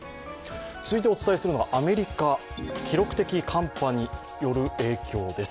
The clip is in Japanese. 続いてお伝えするのが、アメリカ記録的寒波による影響です。